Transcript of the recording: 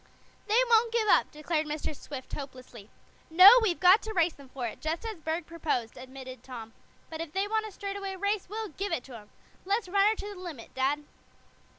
"They won't give up," declared Mr. Swift hopelessly. "No, we've got to race them for it, just as Berg proposed," admitted Tom. "But if they want a straightaway race we'll give it to 'em. Let's run her to the limit, dad."